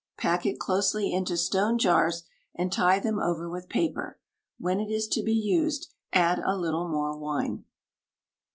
Pack it closely into stone jars, and tie them over with paper. When it is to be used, add a little more wine.